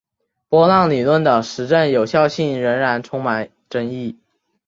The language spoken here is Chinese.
波浪理论的实证有效性仍然充满争议。